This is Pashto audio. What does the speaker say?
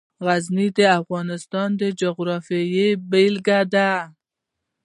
غزني د افغانستان د جغرافیې بېلګه ده.